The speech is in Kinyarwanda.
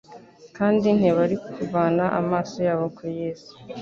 kandi ntibari kuvana amaso yabo kuri Yesu